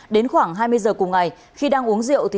đến khoảng hai mươi giờ cùng ngày khi đang uống rượu